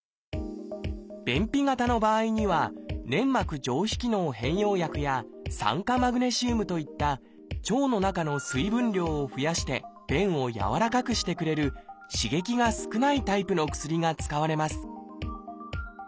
便秘型の場合には粘膜上皮機能変容薬や酸化マグネシウムといった腸の中の水分量を増やして便を軟らかくしてくれる刺激が少ないタイプの薬が使われます。